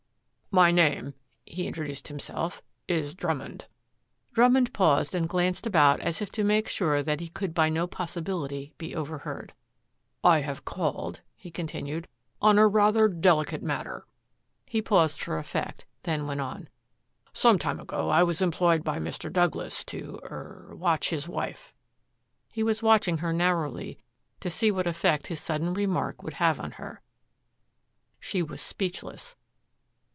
"My name," he introduced himself, "is Drummond." Drummond paused and glanced about as if to make sure that he could by no possibility be overheard. "I have called," he continued, "on a rather delicate matter." He paused for effect, then went on: "Some time ago I was employed by Mr. Douglas to er to watch his wife." He was watching her narrowly to see what effect his sudden remark would have on her. She was speechless.